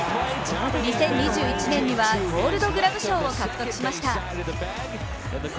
２０２１年にはゴールドグラブ賞を獲得しました。